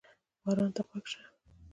باران ته غوږ شه.